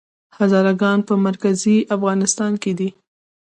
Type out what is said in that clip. هزاره ګان په مرکزي افغانستان کې دي؟